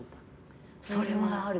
それはある。